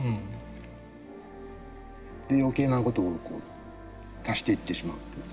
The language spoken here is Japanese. で余計な事を足していってしまうっていう。